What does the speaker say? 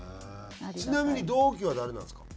ちなみに同期は誰なんですか？